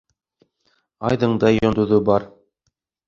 Айҙың да йондоҙо бар.